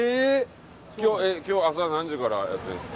今日、朝何時からやっているんですか？